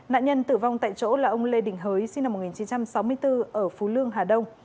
nạn nhân tử vong tại chỗ là ông lê đình hới sinh năm một nghìn chín trăm sáu mươi bốn ở phú lương hà đông